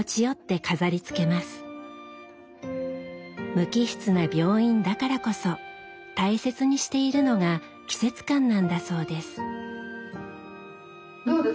無機質な病院だからこそ大切にしているのが季節感なんだそうです。